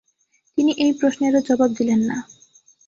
তিনি এই প্রশ্নেরও জবাব দিলেন না।